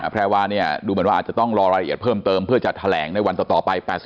แพรวาเนี่ยดูเหมือนว่าอาจจะต้องรอรายละเอียดเพิ่มเติมเพื่อจะแถลงในวันต่อไป